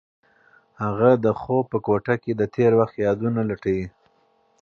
هغه د خوب په کوټه کې د تېر وخت یادونه لټوي.